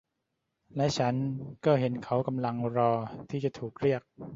และฉันก็เห็นเขากำลังรอที่จะถูกเรียก